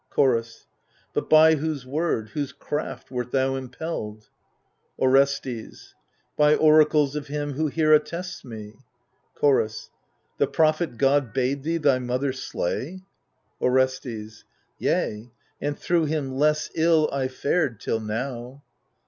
Chorus But by whose word, whose craft, wert thou impelled ? Orestes By oracles of him who here attests me. Chorus The prophet god bade thee thy mother slay ? Orestes Yea, and thro* him less ill I fared, till now.